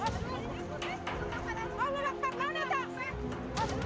sekali lagi pengusut tuntas dan menindak tegas